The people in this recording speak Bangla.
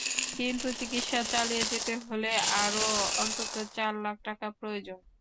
কিন্তু চিকিৎসা চালিয়ে যেতে হলে আরও অন্তত চার লাখ টাকা প্রয়োজন।